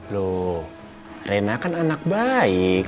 loh rena kan anak baik